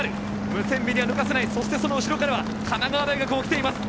ムセンビには抜かせないそして、その後ろからは神奈川大学も来ています。